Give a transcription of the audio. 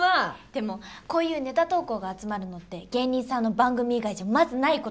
でもこういうネタ投稿が集まるのって芸人さんの番組以外じゃまずない事ですよ。